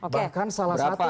bahkan salah satu yang terburuk